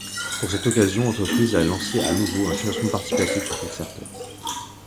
Pour cette occasion, l'entreprise a lancé à nouveau un financement participatif sur Kickstarter.